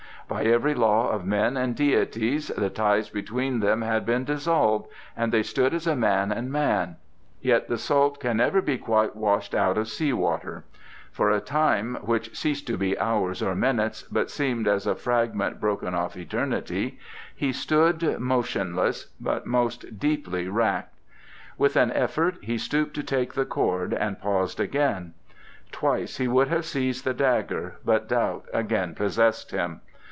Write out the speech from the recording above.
By every law of men and deities the ties between them had been dissolved, and they stood as a man and man; yet the salt can never be quite washed out of sea water. For a time which ceased to be hours or minutes, but seemed as a fragment broken off eternity, he stood, motionless but most deeply racked. With an effort he stooped to take the cord, and paused again; twice he would have seized the dagger, but doubt again possessed him.